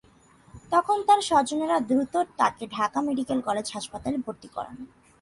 তখন তাঁর স্বজনেরা দ্রুত তাঁকে ঢাকা মেডিকেল কলেজ হাসপাতালে ভর্তি করান।